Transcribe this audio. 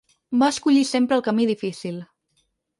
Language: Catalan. Va escollir sempre el camí difícil.